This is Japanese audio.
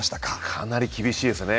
かなり厳しいですね。